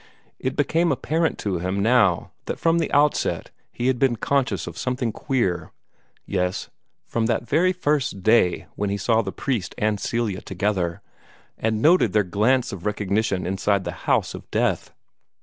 It became apparent to him now that from the outset he had been conscious of something queer yes, from that very first day when he saw the priest and Celia together, and noted their glance of recognition inside the house of death.